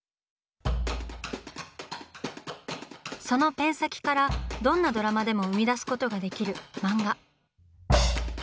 そのペン先からどんなドラマでも生み出すことができる「漫画」。